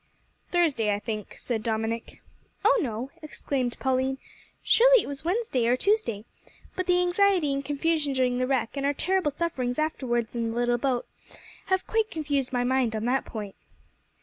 "Thursday, I think," said Dominick. "Oh no," exclaimed Pauline; "surely it was Wednesday or Tuesday; but the anxiety and confusion during the wreck, and our terrible sufferings afterwards in the little boat, have quite confused my mind on that point."